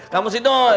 kamu sih doi